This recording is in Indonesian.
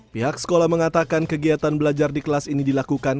pihak sekolah mengatakan kegiatan belajar di kelas ini dilakukan